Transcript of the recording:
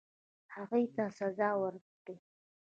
هغوی ته سزا ورکړي.